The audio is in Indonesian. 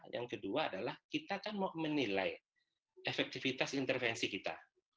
yang kedua adalah kita kan mau menilai efektivitas intervensi kita